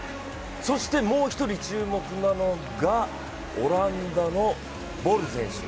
そしてもう一人注目なのがオランダのボル選手。